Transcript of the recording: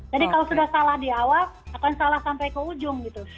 jadi kalau sudah salah di awal akan salah sampai ke ujung gitu